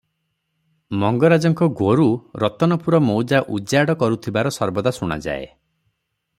ମଙ୍ଗରାଜଙ୍କ ଗୋରୁ ରତନପୁର ମୌଜା ଉଜାଡ଼ କରୁଥିବାର ସର୍ବଦା ଶୁଣାଯାଏ ।